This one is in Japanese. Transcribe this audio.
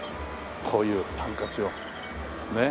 こういうハンカチをねえ。